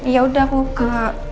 ya udah aku ke